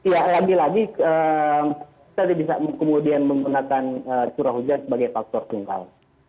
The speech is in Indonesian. ya lagi lagi tadi bisa kemudian menggunakan curah hujan sebagai faktor tunggal